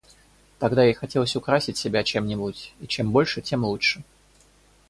Тогда ей хотелось украсить себя чем-нибудь, и чем больше, тем лучше.